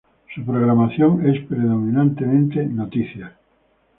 Su programación es predominantemente noticias.